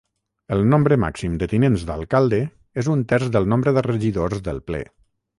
El nombre màxim de tinents d'alcalde és un terç del nombre de regidors del Ple.